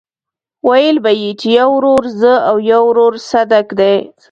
ويل به يې چې يو ورور زه او يو ورور صدک.